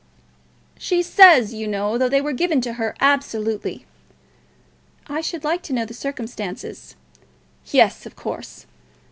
"She says, you know, that they were given to her, absolutely." "I should like to know the circumstances." "Yes; of course."